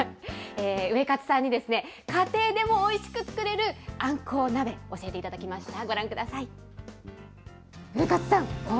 ウエカツさんにですね、家庭でもおいしく作れるあんこう鍋、教えていただきました。